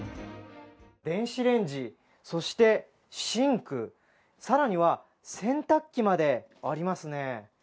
電子レンジ、そしてシンク、更には、洗濯機までありますね。